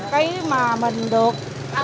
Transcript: cái mà mình được